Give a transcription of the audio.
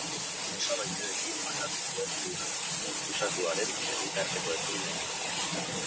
Neskatoak osaba-izebekin pasatu zuen uda, akusatuaren senitartekoekin hain zuzen.